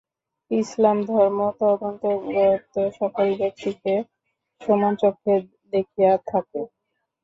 ইসলাম ধর্ম তদন্তর্গত সকল ব্যক্তিকে সমান চক্ষে দেখিয়া থাকে।